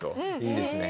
いいですね。